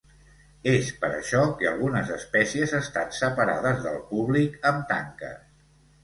És per això que algunes espècies estan separades del públic amb tanques.